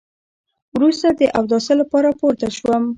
وروسته د اوداسه لپاره پورته شوم.